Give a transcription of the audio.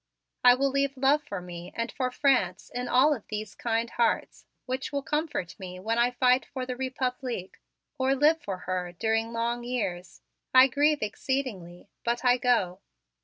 I will leave love for me and for France in all of these kind hearts, which will comfort me when I fight for the Republique, or live for her during long years. I grieve exceedingly; but I go!"